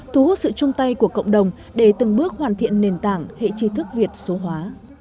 thu hút sự chung tay của cộng đồng để từng bước hoàn thiện nền tảng hệ trí thức việt số hóa